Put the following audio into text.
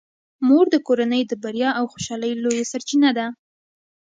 مور د کورنۍ د بریا او خوشحالۍ لویه سرچینه ده.